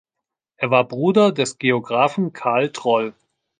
Er war Bruder des Geographen Carl Troll.